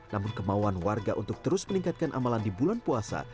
namun kemauan warga untuk terus meningkatkan amalan di bulan puasa